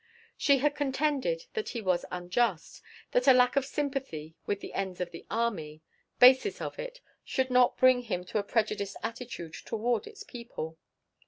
She had contended that he was unjust; that a lack of sympathy with the ends of the army basis of it should not bring him to a prejudiced attitude toward its people.